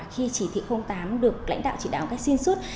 khi chỉ thị tám được lãnh đạo chỉ đạo các xuyên suốt